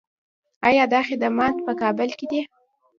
آیا دا خدمات په کابل کې دي؟